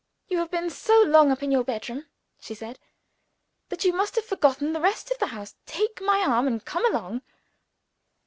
"You have been so long up in your bedroom," she said, "that you must have forgotten the rest of the house. Take my arm and come along.